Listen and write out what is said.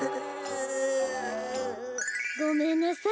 ごめんなさい。